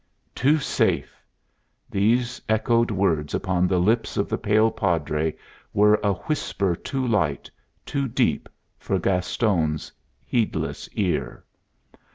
"Too safe!" These echoed words upon the lips of the pale Padre were a whisper too light, too deep, for Gaston's heedless ear.